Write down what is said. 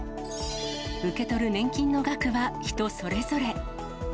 受け取る年金の額は人それぞれ。